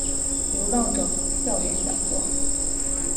流浪者校园讲座